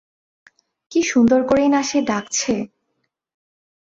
কী সুন্দর করেই না সে ডাকছে!